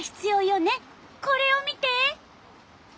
これを見て！